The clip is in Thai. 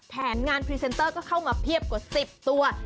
แผนงานพรีเซนเตอร์ก็เข้ามาเพียบกว่า๑๐ตัว